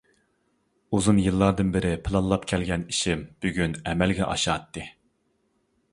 ئۇزۇن يىللاردىن بىرى پىلانلاپ كەلگەن ئىشىم بۈگۈن ئەمەلگە ئاشاتتى.